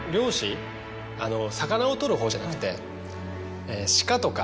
魚を取るほうじゃなくて。